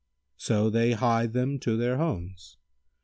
So they hied them to their homes.